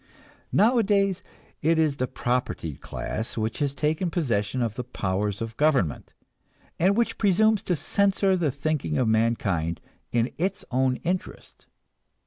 Nowadays it is the propertied class which has taken possession of the powers of government, and which presumes to censor the thinking of mankind in its own interest.